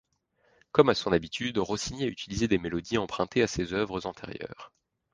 Comme à son habitude, Rossini a utilisé des mélodies empruntées à ses œuvres antérieures.